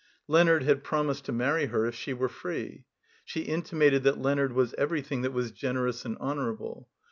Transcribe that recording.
Leonard had promised to marry her if she were free. She intimated that Leonard was everything that was generous and honorable.